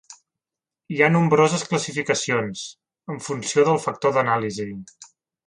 Hi ha nombroses classificacions, en funció del factor d'anàlisi.